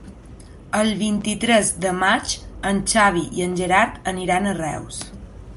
El vint-i-tres de maig en Xavi i en Gerard aniran a Reus.